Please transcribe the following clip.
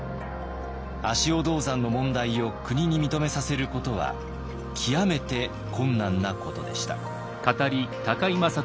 足尾銅山の問題を国に認めさせることは極めて困難なことでした。